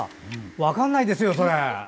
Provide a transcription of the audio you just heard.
分からないですよ。